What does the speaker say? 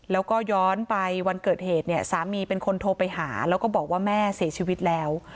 แล้วก็ย้อนไปวันเกิดเหตุเนี่ยสามีเป็นคนโทรไปหาแล้วก็บอกว่าแม่เสียชีวิตแล้ว